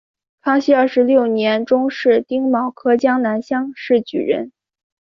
康熙二十六年中式丁卯科江南乡试举人。